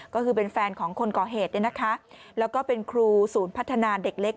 ก็คือเป็นแฟนของคนก่อเหตุเนี่ยนะคะแล้วก็เป็นครูศูนย์พัฒนาเด็กเล็ก